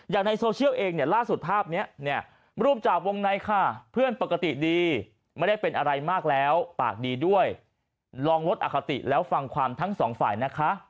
ในโซเชียลเองเนี่ยล่าสุดภาพนี้เนี่ยรูปจากวงในค่ะเพื่อนปกติดีไม่ได้เป็นอะไรมากแล้วปากดีด้วยลองลดอคติแล้วฟังความทั้งสองฝ่ายนะคะ